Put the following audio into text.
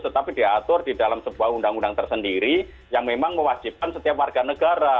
tetapi diatur di dalam sebuah undang undang tersendiri yang memang mewajibkan setiap warga negara